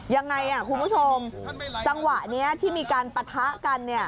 ยังไงคุณผู้ชมจังหวะนี้ที่มีการปะทะกันเนี่ย